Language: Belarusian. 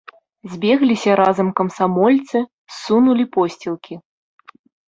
Збегліся разам камсамольцы, ссунулі посцілкі.